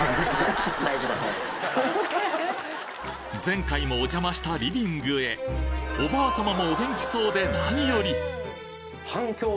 前回もお邪魔したリビングへおばあさまもお元気そうでなにより！